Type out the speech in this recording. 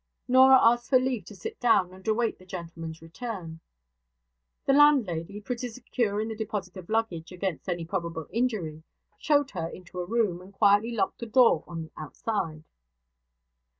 Norah asked for leave to sit down, and await the gentleman's return. The landlady pretty secure in the deposit of luggage against any probable injury showed her into a room, and quietly locked the door on the outside.